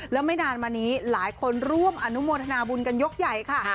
แล้วไม่นานมานี้หลายคนร่วมอนุโมทนาบุญกันยกใหญ่ค่ะ